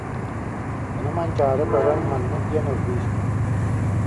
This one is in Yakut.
Ону Манчаары көрөн, маннык диэн ыллыы испит